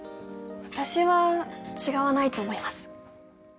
私は違わないと思います。